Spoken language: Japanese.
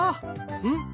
うん？